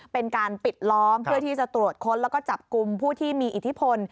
เป็นการปิดล้อมเพื่อที่จะตรวจค้นแล้วก็จับกลุ่มผู้ที่มีอิทธิพล